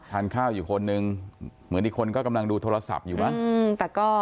ทานข้าวอยู่คนหนึ่งเหมือนอีกคนก็กำลังดูโทรศัพท์อยู่นะ